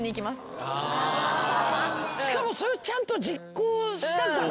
しかもそれをちゃんと実行したからね。